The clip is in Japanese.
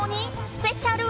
スペシャル。